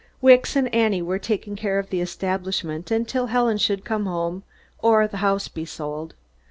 Wicks and Annie were taking care of the establishment until Helen should come home, or the house be sold.